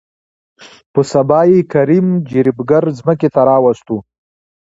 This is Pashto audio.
په سبا يې کريم جريب ګر ځمکې ته راوستو.